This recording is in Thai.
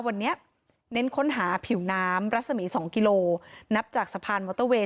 วันนี้เน้นค้นหาผิวน้ำรัศมี๒กิโลนับจากสะพานมอเตอร์เวย